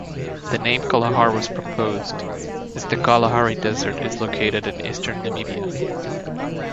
The name kalahar was proposed, as the Kalahari Desert is located in eastern Namibia.